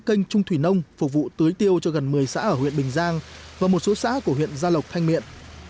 cây trung thủy nông phục vụ tưới tiêu cho gần một mươi xã ở huyện bình giang và một số xã của huyện gia lộc thanh miện